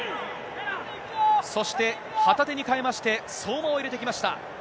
そして、旗手に代えまして、相馬を入れてきました。